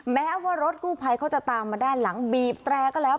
แม้ว่ารถกู้ภัยเขาจะตามมาด้านหลังบีบแตรก็แล้ว